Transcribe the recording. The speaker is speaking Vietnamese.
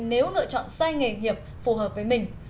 nếu lựa chọn sai nghề nghiệp phù hợp với mình